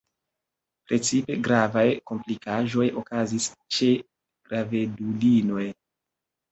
Precipe gravaj komplikaĵoj okazis ĉe gravedulinoj.